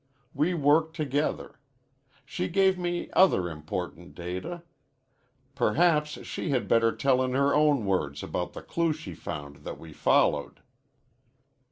We worked together. She gave me other important data. Perhaps she had better tell in her own words about the clue she found that we followed."